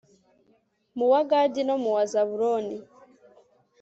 mu wa gadi no mu wa zabuloni